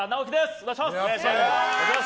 お願いします。